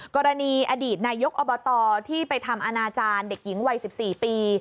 กรณีอดีตนายกอบตที่ไปทำอนาจารย์เด็กหญิงวัย๑๔ปี